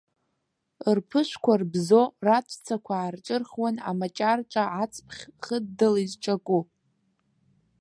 Рԥышәқәа рбзо раҵәцақәа аарҿырхуан амаҷар-ҿа ацԥхь хыддыла изҿаку.